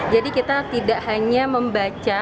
jadi kita tidak hanya membaca